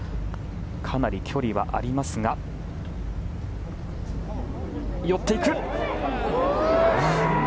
かなり距離がありますが寄ってきた。